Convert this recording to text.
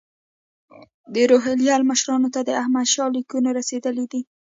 د روهیله مشرانو ته د احمدشاه لیکونه رسېدلي دي.